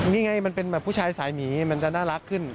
นี่ไงมันเป็นแบบผู้ชายสายหมีมันจะน่ารักขึ้น